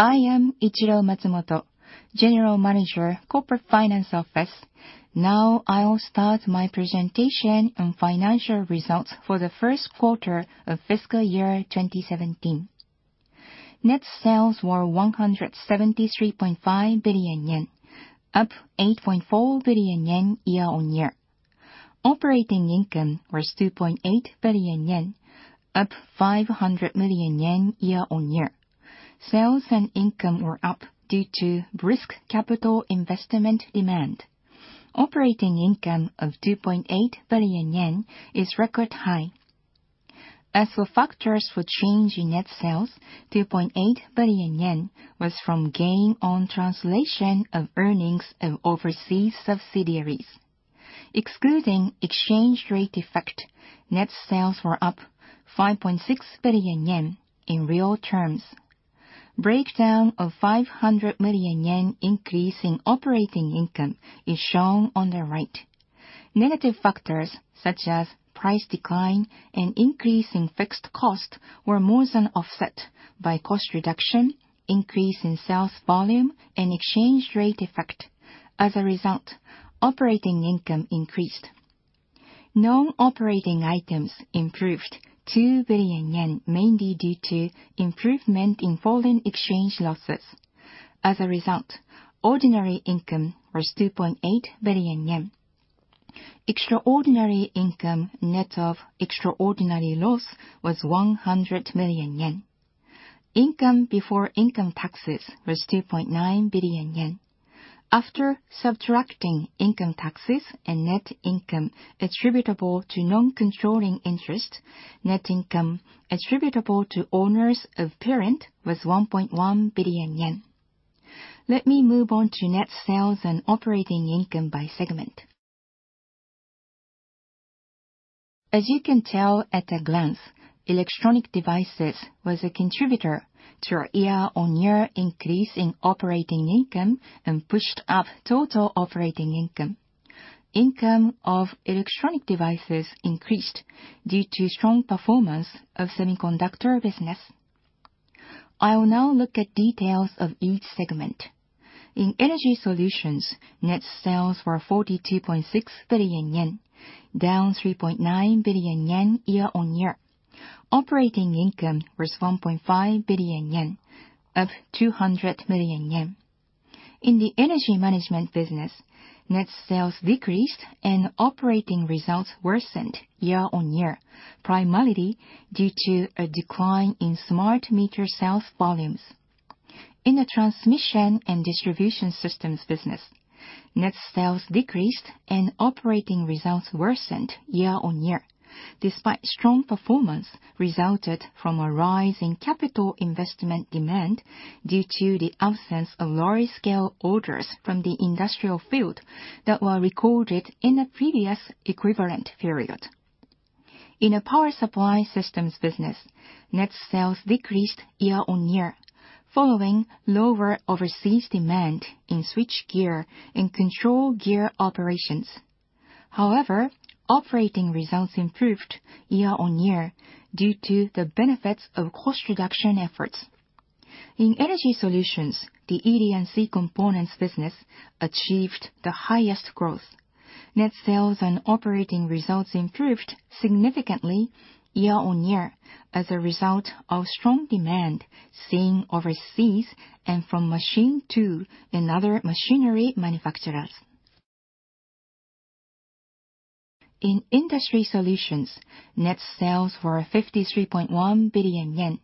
I am Ichiro Matsumoto, General Manager, Corporate Finance Office. I'll start my presentation on financial results for the first quarter of FY 2017. Net sales were 173.5 billion yen, up 8.4 billion yen year-on-year. Operating income was 2.8 billion yen, up 500 million yen year-on-year. Sales and income were up due to brisk capital investment demand. Operating income of 2.8 billion yen is record high. As for factors for change in net sales, 2.8 billion yen was from gain on translation of earnings of overseas subsidiaries. Excluding exchange rate effect, net sales were up 5.6 billion yen in real terms. Breakdown of 500 million yen increase in operating income is shown on the right. Negative factors such as price decline and increase in fixed cost were more than offset by cost reduction, increase in sales volume, and exchange rate effect. As a result, operating income increased. Non-operating items improved 2 billion yen, mainly due to improvement in foreign exchange losses. As a result, ordinary income was 2.8 billion yen. Extraordinary income, net of extraordinary loss, was 100 million yen. Income before income taxes was 2.9 billion yen. After subtracting income taxes and net income attributable to non-controlling interest, net income attributable to owners of parent was 1.1 billion yen. Let me move on to net sales and operating income by segment. As you can tell at a glance, Electronic Devices was a contributor to our year-on-year increase in operating income and pushed up total operating income. Income of Electronic Devices increased due to strong performance of semiconductor business. I will now look at details of each segment. In Energy Solutions, net sales were 42.6 billion yen, down 3.9 billion yen year-on-year. Operating income was 1.5 billion yen, up 200 million yen. In the energy management business, net sales decreased and operating results worsened year-on-year, primarily due to a decline in smart meter sales volumes. In the transmission and distribution systems business, net sales decreased and operating results worsened year-on-year, despite strong performance resulted from a rise in capital investment demand due to the absence of large-scale orders from the industrial field that were recorded in the previous equivalent period. In the power supply systems business, net sales decreased year-on-year following lower overseas demand in switchgear and controlgear operations. Operating results improved year-on-year due to the benefits of cost reduction efforts. In Energy Solutions, the ED&C components business achieved the highest growth. Net sales and operating results improved significantly year-on-year as a result of strong demand seen overseas and from machine tool and other machinery manufacturers. In Industry Solutions, net sales were 53.1 billion yen,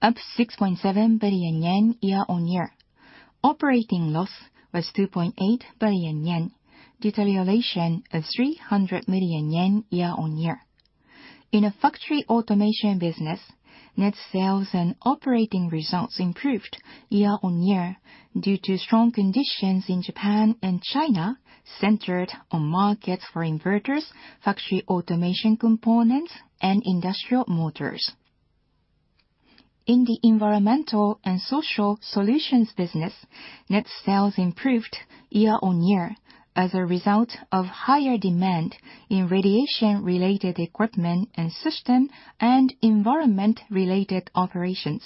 up 6.7 billion yen year-on-year. Operating loss was 2.8 billion yen, deterioration of 300 million yen year-on-year. In the factory automation business, net sales and operating results improved year-on-year due to strong conditions in Japan and China, centered on markets for inverters, factory automation components, and industrial motors. In the environmental and social solutions business, net sales improved year-on-year as a result of higher demand in radiation-related equipment and system and environment-related operations.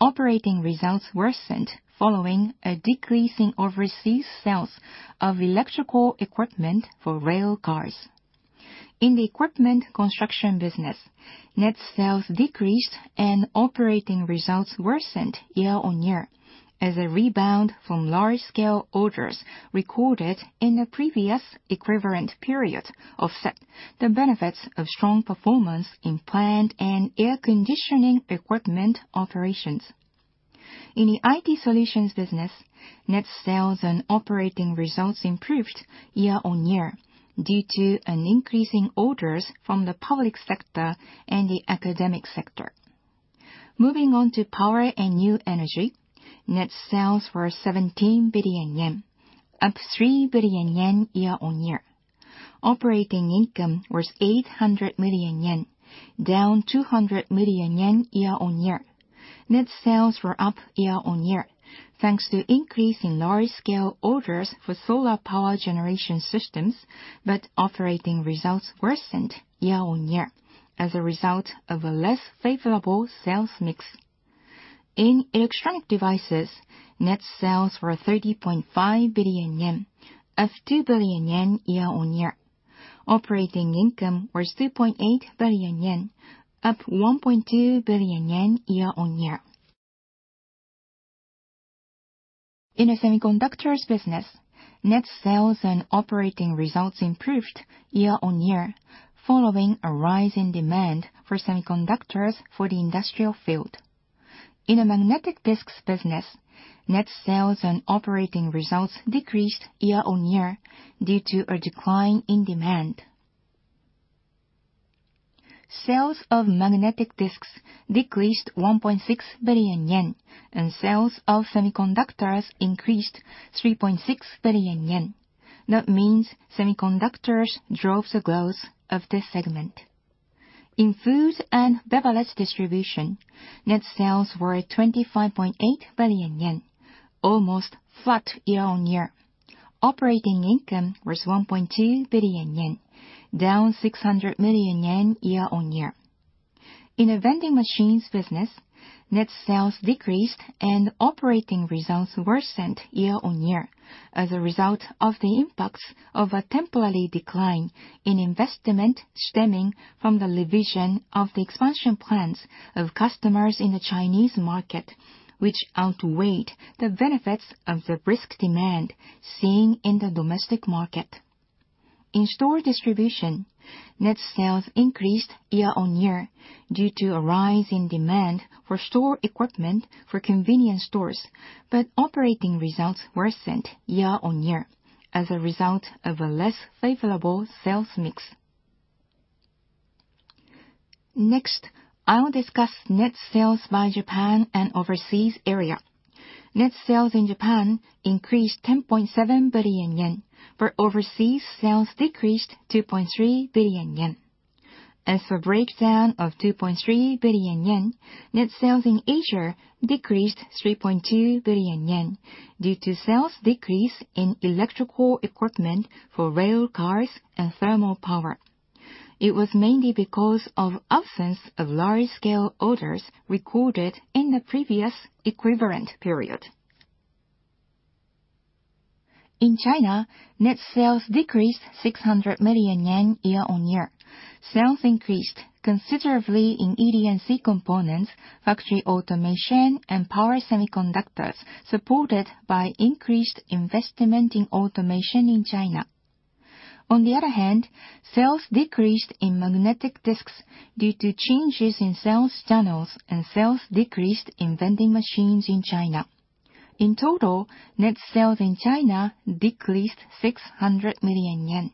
Operating results worsened following a decrease in overseas sales of electrical equipment for railcars. In the equipment construction business, net sales decreased and operating results worsened year-on-year as a rebound from large-scale orders recorded in the previous equivalent period offset the benefits of strong performance in plant and air conditioning equipment operations. In the IT solutions business, net sales and operating results improved year-on-year due to an increase in orders from the public sector and the academic sector. Moving on to Power and New Energy. Net sales were 17 billion yen, up 3 billion yen year-on-year. Operating income was 800 million yen, down 200 million yen year-on-year. Net sales were up year-on-year thanks to increase in large-scale orders for solar power generation systems, operating results worsened year-on-year as a result of a less favorable sales mix. In Electronic Devices, net sales were 30.5 billion yen, up 2 billion yen year-on-year. Operating income was 2.8 billion yen, up 1.2 billion yen year-on-year. In the semiconductors business, net sales and operating results improved year-on-year following a rise in demand for semiconductors for the industrial field. In the magnetic disks business, net sales and operating results decreased year-on-year due to a decline in demand. Sales of magnetic disks decreased 1.6 billion yen and sales of semiconductors increased 3.6 billion yen. That means semiconductors drove the growth of this segment. In Food and Beverage Distribution, net sales were 25.8 billion yen, almost flat year-on-year. Operating income was 1.2 billion yen, down 600 million yen year-on-year. In the vending machines business, net sales decreased and operating results worsened year-on-year as a result of the impacts of a temporary decline in investment stemming from the revision of the expansion plans of customers in the Chinese market, which outweighed the benefits of the brisk demand seen in the domestic market. In Store Distribution, net sales increased year-on-year due to a rise in demand for store equipment for convenience stores, operating results worsened year-on-year as a result of a less favorable sales mix. Next, I'll discuss net sales by Japan and overseas area. Net sales in Japan increased 10.7 billion yen, overseas sales decreased 2.3 billion yen. As for breakdown of 2.3 billion yen, net sales in Asia decreased 3.2 billion yen due to sales decrease in electrical equipment for railcars and thermal power. It was mainly because of absence of large-scale orders recorded in the previous equivalent period. In China, net sales decreased 600 million yen year-on-year. Sales increased considerably in ED&C components, factory automation, and power semiconductors supported by increased investment in automation in China. On the other hand, sales decreased in magnetic disks due to changes in sales channels and sales decreased in vending machines in China. In total, net sales in China decreased 600 million yen.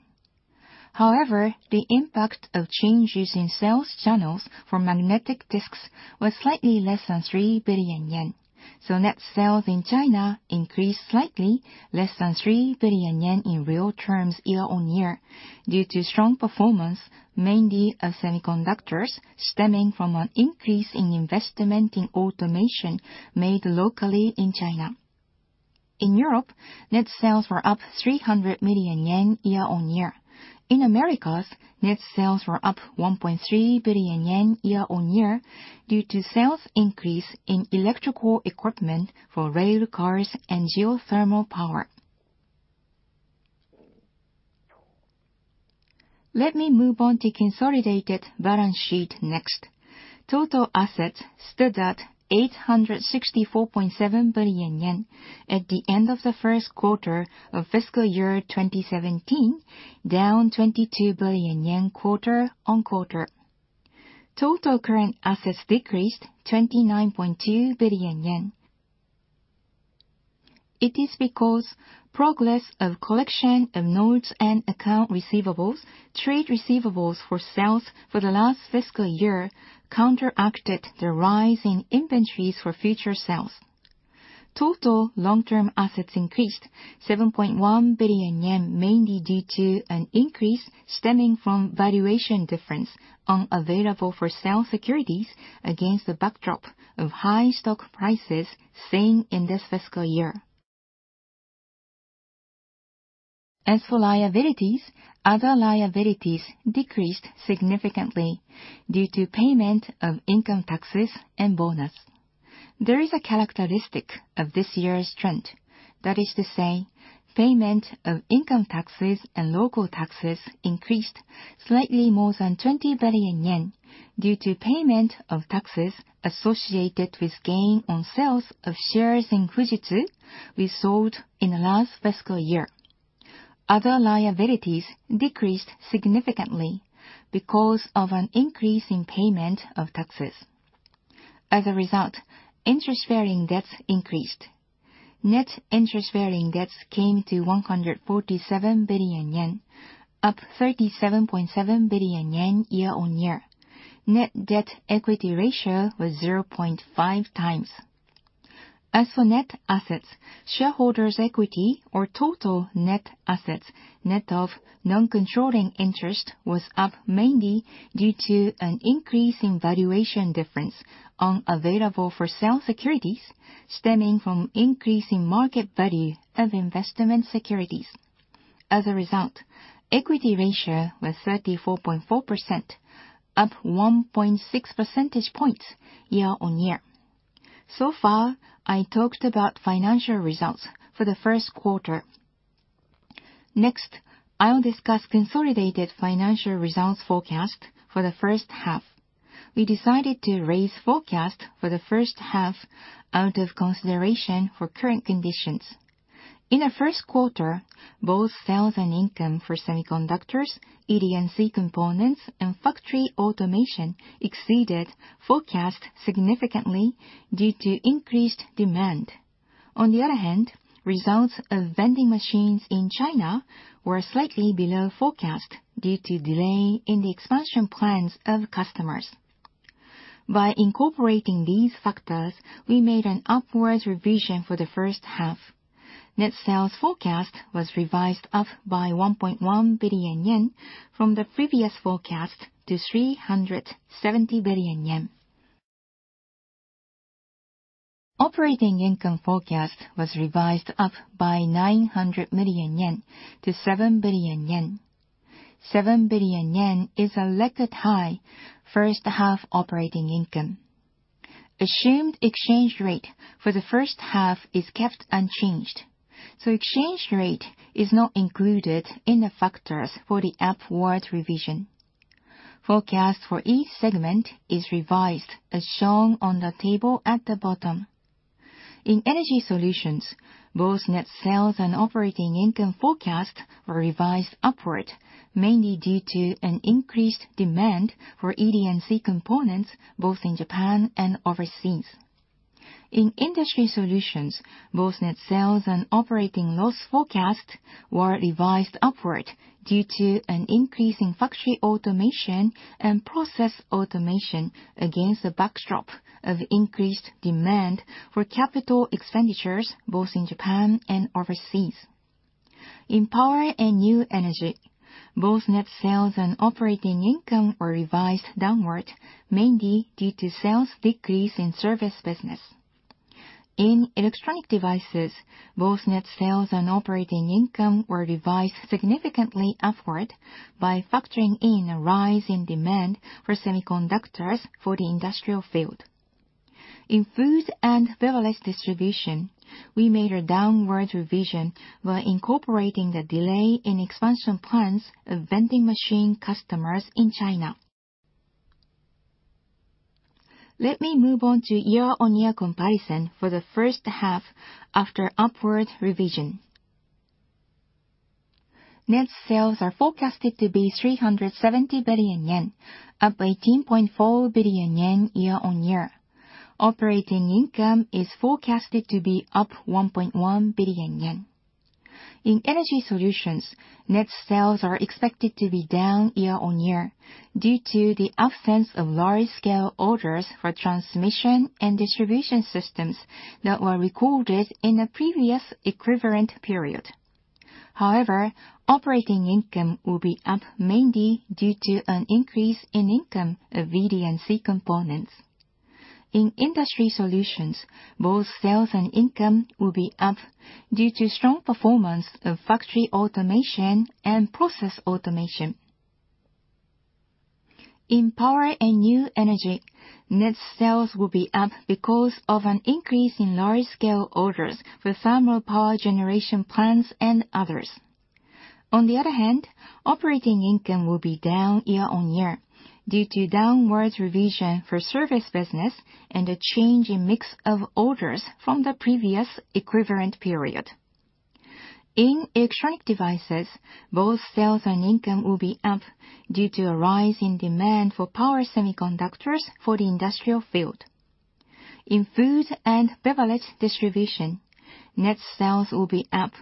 The impact of changes in sales channels for magnetic disks was slightly less than 3 billion yen. Net sales in China increased slightly less than 3 billion yen in real terms year-on-year due to strong performance, mainly of semiconductors stemming from an increase in investment in automation made locally in China. In Europe, net sales were up 300 million yen year-on-year. In Americas, net sales were up 1.3 billion yen year-on-year due to sales increase in electrical equipment for railcars and geothermal power. Let me move on to consolidated balance sheet next. Total assets stood at 864.7 billion yen at the end of the first quarter of fiscal year 2017, down 22 billion yen quarter-on-quarter. Total current assets decreased 29.2 billion yen. It is because progress of collection of notes and account receivables, trade receivables for sales for the last fiscal year counteracted the rise in inventories for future sales. Total long-term assets increased 7.1 billion yen mainly due to an increase stemming from valuation difference on available for sale securities against the backdrop of high stock prices seen in this fiscal year. As for liabilities, other liabilities decreased significantly due to payment of income taxes and bonus. There is a characteristic of this year's trend. That is to say, payment of income taxes and local taxes increased slightly more than 20 billion yen due to payment of taxes associated with gain on sales of shares in Fujitsu Limited we sold in the last fiscal year. Other liabilities decreased significantly because of an increase in payment of taxes. As a result, interest-bearing debts increased. Net interest-bearing debts came to 147 billion yen, up 37.7 billion yen year-on-year. Net debt equity ratio was 0.5 times. As for net assets, shareholders' equity or total net assets net of non-controlling interest was up mainly due to an increase in valuation difference on available for sale securities stemming from increase in market value of investment securities. As a result, equity ratio was 34.4%, up 1.6 percentage points year-on-year. So far, I talked about financial results for the first quarter. Next, I'll discuss consolidated financial results forecast for the first half. We decided to raise forecast for the first half out of consideration for current conditions. In the first quarter, both sales and income for semiconductors, ED&C components, and factory automation exceeded forecast significantly due to increased demand. On the other hand, results of vending machines in China were slightly below forecast due to delay in the expansion plans of customers. By incorporating these factors, we made an upwards revision for the first half. Net sales forecast was revised up by 1.1 billion yen from the previous forecast to 370 billion yen. Operating income forecast was revised up by 900 million yen to 7 billion yen. 7 billion yen is a record high first half operating income. Assumed exchange rate for the first half is kept unchanged. Exchange rate is not included in the factors for the upward revision. Forecast for each segment is revised, as shown on the table at the bottom. In Energy Solutions, both net sales and operating income forecast were revised upward, mainly due to an increased demand for ED&C components both in Japan and overseas. In Industry Solutions, both net sales and operating loss forecast were revised upward due to an increase in factory automation and process automation against the backdrop of increased demand for capital expenditures both in Japan and overseas. In Power and New Energy, both net sales and operating income were revised downward, mainly due to sales decrease in service business. In Electronic Devices, both net sales and operating income were revised significantly upward by factoring in a rise in demand for semiconductors for the industrial field. In Food and Beverage Distribution, we made a downward revision while incorporating the delay in expansion plans of vending machine customers in China. Let me move on to year-over-year comparison for the first half after upward revision. Net sales are forecasted to be 370 billion yen, up 18.4 billion yen year-over-year. Operating income is forecasted to be up 1.1 billion yen. In Energy Solutions, net sales are expected to be down year-over-year due to the absence of large-scale orders for transmission and distribution systems that were recorded in the previous equivalent period. However, operating income will be up mainly due to an increase in income of ED&C components. In Industry Solutions, both sales and income will be up due to strong performance of factory automation and process automation. In Power and New Energy, net sales will be up because of an increase in large-scale orders for thermal power generation plants and others. On the other hand, operating income will be down year-over-year due to downward revision for service business and a change in mix of orders from the previous equivalent period. In Electronic Devices, both sales and income will be up due to a rise in demand for power semiconductors for the industrial field. In Food and Beverage Distribution, net sales will be up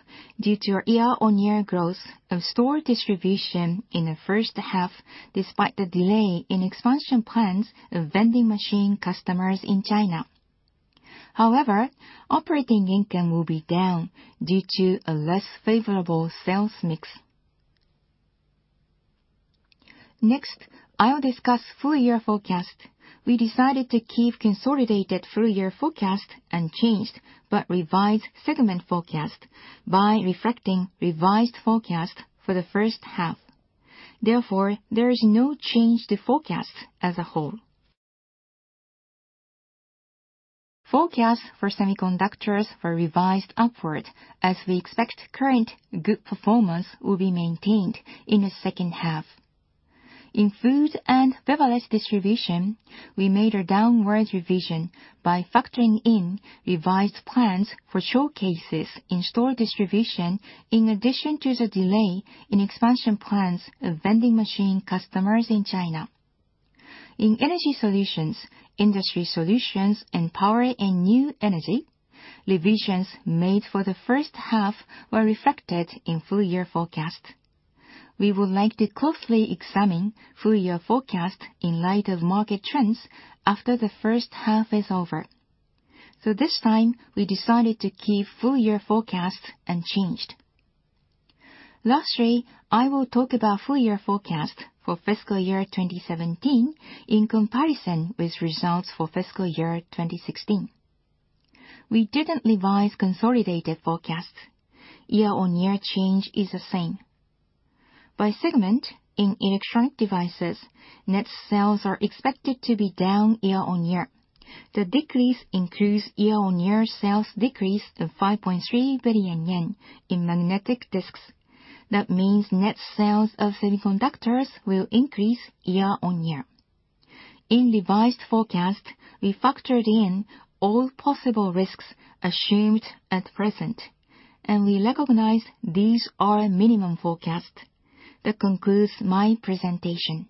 due to a year-over-year growth of store distribution in the first half, despite the delay in expansion plans of vending machine customers in China. However, operating income will be down due to a less favorable sales mix. Next, I'll discuss full-year forecast. We decided to keep consolidated full-year forecast unchanged but revised segment forecast by reflecting revised forecast for the first half. Therefore, there is no change to forecast as a whole. Forecasts for semiconductors were revised upward as we expect current good performance will be maintained in the second half. In Food and Beverage Distribution, we made a downward revision by factoring in revised plans for showcases in store distribution, in addition to the delay in expansion plans of vending machine customers in China. In Energy Solutions, Industry Solutions, and Power and New Energy, revisions made for the first half were reflected in full-year forecast. We would like to closely examine full-year forecast in light of market trends after the first half is over. This time, we decided to keep full-year forecast unchanged. Lastly, I will talk about full-year forecast for fiscal year 2017 in comparison with results for fiscal year 2016. We didn't revise consolidated forecast. Year-over-year change is the same. By segment, in Electronic Devices, net sales are expected to be down year-over-year. The decrease includes year-over-year sales decrease of 5.3 billion yen in magnetic disks. That means net sales of semiconductors will increase year-over-year. In revised forecast, we factored in all possible risks assumed at present, and we recognize these are minimum forecast. That concludes my presentation.